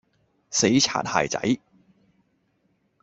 死擦鞋仔